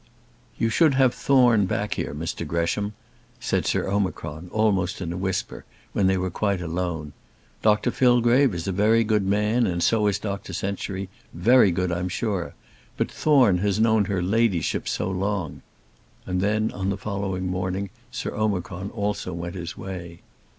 "You should have Thorne back here, Mr Gresham," said Sir Omicron, almost in a whisper, when they were quite alone. "Doctor Fillgrave is a very good man, and so is Dr Century; very good, I am sure. But Thorne has known her ladyship so long." And then, on the following morning, Sir Omicron also went his way.